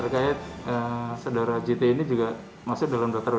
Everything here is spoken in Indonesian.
kalau memang dia mengganggu ketidupan umum